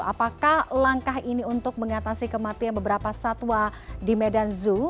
apakah langkah ini untuk mengatasi kematian beberapa satwa di medan zoo